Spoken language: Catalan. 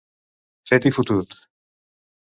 Fet i fotut.